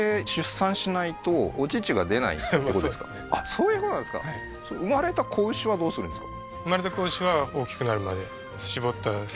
そういうことなんですか生まれた子牛はへえーへえーなんなんですか？